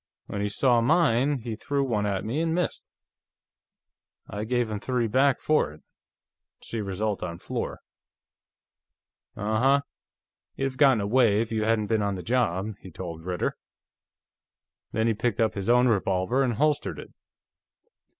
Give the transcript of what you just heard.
When he saw mine, he threw one at me and missed; I gave him three back for it. See result on floor." "Uh uh; he'd have gotten away, if you hadn't been on the job," he told Ritter. Then he picked up his own revolver and holstered it.